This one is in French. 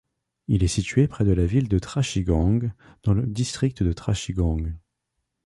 Il est situé près de la ville de Trashigang, dans le district de Trashigang.